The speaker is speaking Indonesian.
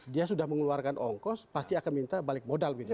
dia sudah mengeluarkan ongkos pasti akan minta balik modal